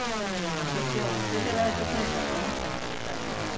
私は忘れられた船だと思ってました最初から。